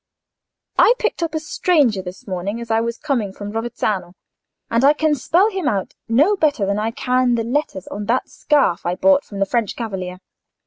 I picked up a stranger this morning as I was coming in from Rovezzano, and I can spell him out no better than I can the letters on that scarf I bought from the French cavalier.